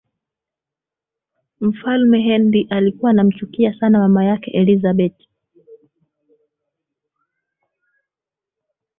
mfalme henry alikuwa anamchukia sana mama yake elizabeth